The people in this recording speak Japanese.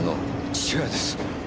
父親です。